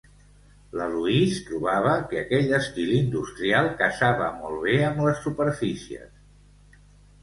La Louise trobava que aquell estil industrial casava molt bé amb les superfícies.